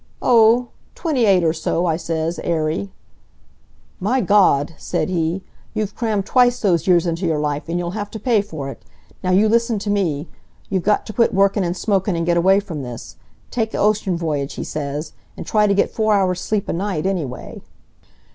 "'O, twenty eight or so,' I says, airy. "'My Gawd!' said he. 'You've crammed twice those years into your life, and you'll have to pay for it. Now you listen t' me. You got t' quit workin', an' smokin', and get away from this. Take a ocean voyage,' he says, 'an' try to get four hours sleep a night, anyway.'